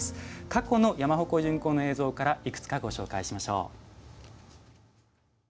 過去の山鉾巡行の映像からいくつか、ご紹介しましょう。